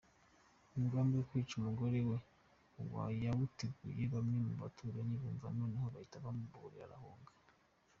Umugambi wo kwica umugore we yawuteguye bamwe mu baturanyi bumva noneho bahita bamuburira arahunga.